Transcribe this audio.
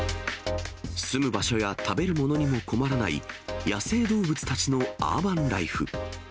住む場所や食べるものにも困らない野生動物たちのアーバンライフ。